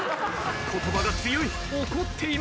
言葉が強い。